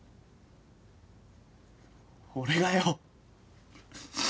俺がよ。